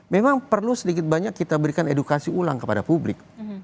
memang perlu sedikit banyak kita berikan edukasi ulang kepada publik